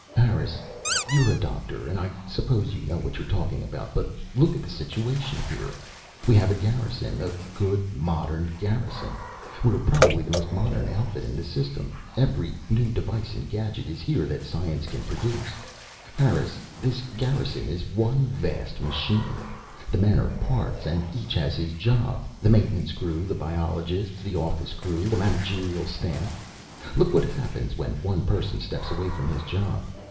"Harris, you're a doctor, and I suppose you know what you're talking about. But look at the situation here. We have a garrison, a good modern garrison. We're probably the most modern outfit in the system. Every new device and gadget is here that science can produce. Harris, this garrison is one vast machine. The men are parts, and each has his job, the Maintenance Crew, the Biologists, the Office Crew, the Managerial Staff. "Look what happens when one person steps away from his job.